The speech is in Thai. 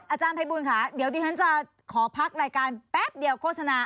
อาจารย์ภัยบูลค่ะเดี๋ยวดิฉันจะขอพักรายการแป๊บเดียวโฆษณา